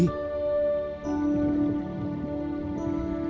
các vây năm